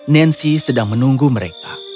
nancy sedang menunggu mereka